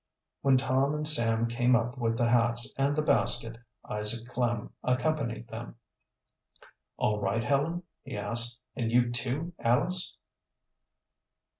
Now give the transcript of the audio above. When Tom and Sam came up with the hats and the basket Isaac Klem accompanied them. "All right, Helen?" he asked. "And you too, Alice?"